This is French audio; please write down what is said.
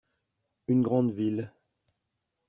Une grande ville.